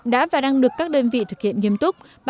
đã và đang được các đơn vị thực hiện nghiêm túc